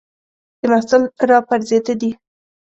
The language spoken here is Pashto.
د محصل را پرځېده دي